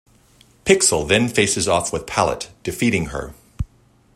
Pixel then faces off with Palette, defeating her.